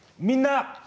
「みんな！